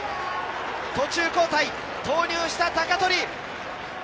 途中交代で投入した鷹取！